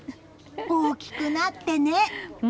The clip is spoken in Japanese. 大きくなってね！